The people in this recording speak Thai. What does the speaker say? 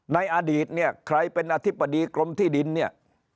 ในอดีตเนี่ยใครเป็นอธิบดีกรมที่ดินเนี่ย